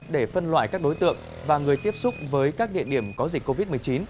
để phân loại các đối tượng và người tiếp xúc với các địa điểm có dịch covid một mươi chín